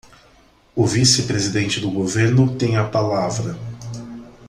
O vice-presidente do governo tem a palavra.